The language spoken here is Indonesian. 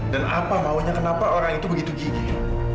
dan apa maunya kenapa orang itu begitu gigih